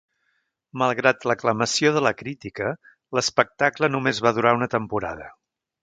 Malgrat l'aclamació de la crítica, l'espectacle només va durar una temporada.